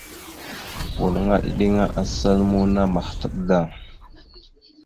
Walŋa eɗiŋa asal muuna mahətaɓ da.